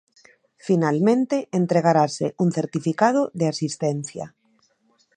Finalmente entregarase un certificado de asistencia.